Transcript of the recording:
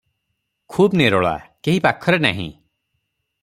ଖୁବ୍ ନିରୋଳା, କେହି ପାଖରେ ନାହିଁ ।